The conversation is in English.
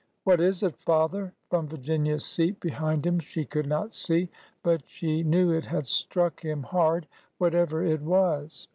"What is it, father?" From Virginia's seat behind him she could not see, but she knew it had struck him hard, whatever it was.